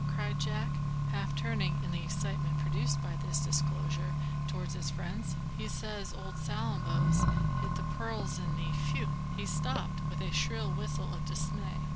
cried Jack, half turning, in the excitement produced by this disclosure, towards his friends. "He says old Salambo's hid the pearls in the Phew!" He stopped, with a shrill whistle of dismay.